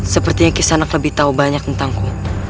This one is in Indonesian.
sepertinya kisanak lebih tahu banyak tentangku